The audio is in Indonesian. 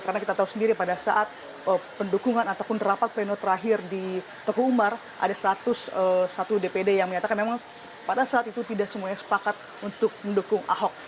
karena kita tahu sendiri pada saat pendukungan ataupun terapat pleno terakhir di toko umar ada satu ratus satu dpd yang menyatakan memang pada saat itu tidak semuanya sepakat untuk mendukung ahok